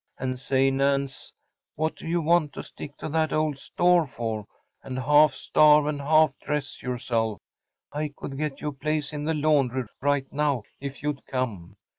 And say, Nance, what do you want to stick to that old store for, and half starve and half dress yourself? I could get you a place in the laundry right now if you’d come.